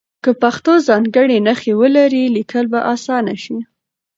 که پښتو ځانګړې نښې ولري لیکل به اسانه شي.